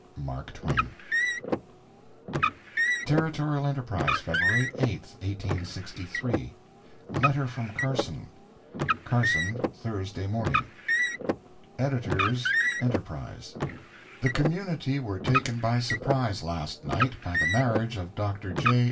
MARK TWAIN Territorial Enterprise, February 8, 1863 LETTER FROM CARSON CARSON, Thursday Morning EDS. ENTERPRISE: The community were taken by surprise last night, by the marriage of Dr. J.